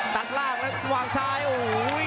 ตัดล่างแล้ววางซ้ายโอ้โห